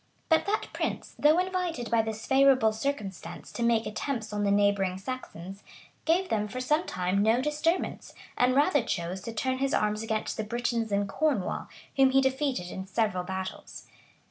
But that prince, though invited by this favorable circumstance to make attempts on the neighboring Saxons, gave them for some time no disturbance, and rather chose to turn his arms against the Britons in Cornwall, whom he defeated in several battles.